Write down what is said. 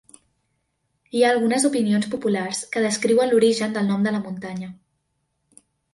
Hi ha algunes opinions populars que descriuen l'origen del nom de la muntanya.